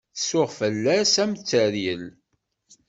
Tsuɣ fell-as am teryel.